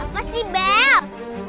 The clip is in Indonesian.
apa sih bel